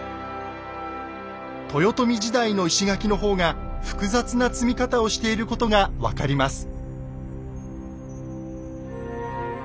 豊臣時代の石垣の方が複雑な積み方をしていることが分かります。